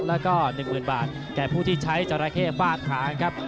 แล้วก็๑๐๐๐บาทแก่ผู้ที่ใช้จราเข้ฟาดทางครับ